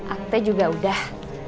akte juga udah